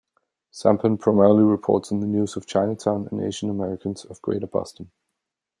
"Sampan" primarily reports on the news of Chinatown and Asian Americans of Greater Boston.